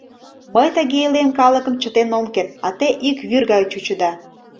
Мый тыге илем калыкым чытен ом керт, а те ик вӱр гай чучыда.